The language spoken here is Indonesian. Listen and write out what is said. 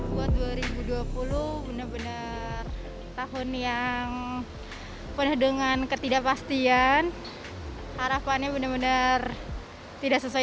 buat dua ribu dua puluh benar benar tahun yang penuh dengan ketidakpastian harapannya benar benar tidak sesuai